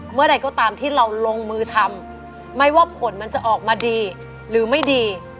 เมื่อใดก็ตามที่เราลงมือทำไม่ว่าผลมันจะออกมาดีหรือไม่ดี